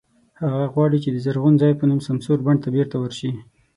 هغه غواړي چې د "زرغون ځای" په نوم سمسور بڼ ته بېرته ورشي.